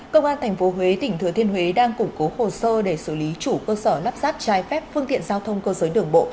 công an tp huế tỉnh thừa thiên huế đang củng cố hồ sơ để xử lý chủ cơ sở lắp ráp trái phép phương tiện giao thông cơ giới đường bộ